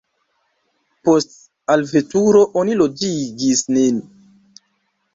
Post alveturo oni loĝigis nin.